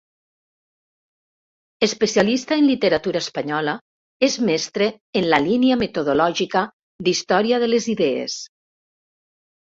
Especialista en Literatura espanyola, és mestre en la línia metodològica d'Història de les idees.